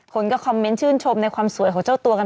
คนก็คอมเมนต์ชื่นชมในความสวยของเจ้าตัวกัน